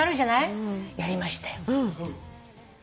やりましたよ。